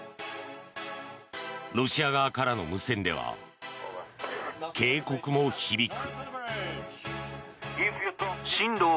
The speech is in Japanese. ロシア側からの無線では警告も響く。